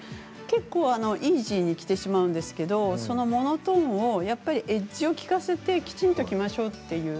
結構イージーに着てしまうんですけどそのモノトーンをエッジを効かせてきちんと着ましょうっていう。